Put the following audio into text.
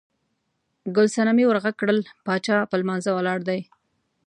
ګل صنمې ور غږ کړل، باچا په لمانځه ولاړ دی.